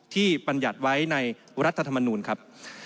ที่ปัญญัติไว้ในรัฐธรรมนุนครับ